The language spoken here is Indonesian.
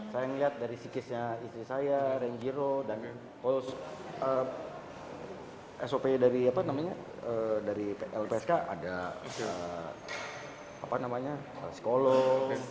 saya melihat dari psikisnya istri saya renjiro dan sop dari lpsk ada psikolog